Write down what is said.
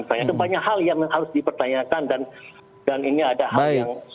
itu banyak hal yang harus dipertanyakan dan ini ada hal yang sedikit bertolak tolak